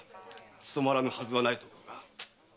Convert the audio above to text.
勤まらぬはずはないと思うが。